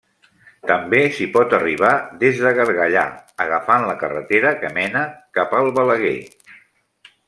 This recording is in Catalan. També s'hi pot arribar des de Gargallà agafant la carretera que mena cap al Balaguer.